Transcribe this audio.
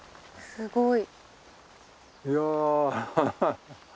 すごい。